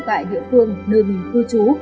tại địa phương nơi mình cư trú